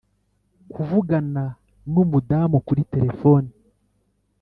kuvugana nu mudamu kuri telefone